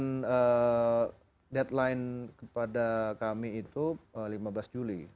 dan deadline kepada kami itu lima belas juli